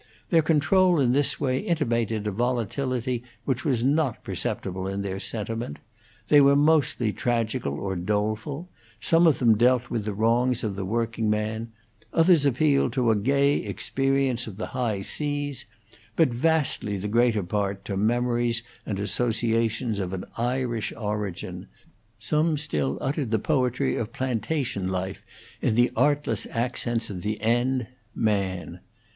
Their control in this way intimated a volatility which was not perceptible in their sentiment. They were mostly tragical or doleful: some of them dealt with the wrongs of the working man; others appealed to a gay experience of the high seas; but vastly the greater part to memories and associations of an Irish origin; some still uttered the poetry of plantation life in the artless accents of the end man.